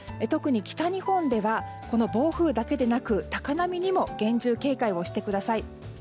特に北日本ではこの暴風だけでなく高波にも厳重警戒をしてください。